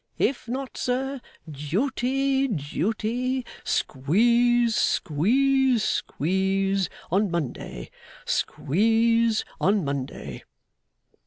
If not, sir, duty, duty; squeeze, squeeze, squeeze, on Monday; squeeze on Monday!